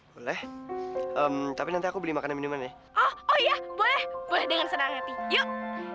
boleh tapi nanti aku beli makanan minuman ya oh oh ya boleh boleh dengan senang hati yuk